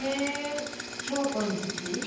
小学校の時？